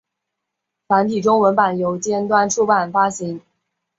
繁体中文版由尖端出版发行。